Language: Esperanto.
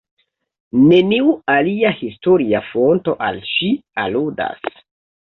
Neniu alia historia fonto al ŝi aludas.